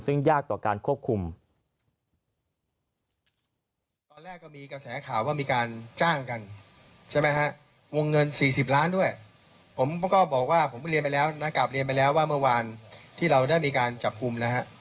ซึ่งยากต่อการควบคุม